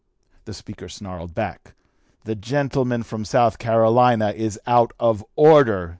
The Speaker snarled back, 'The gentleman from South Carolina is out of order!'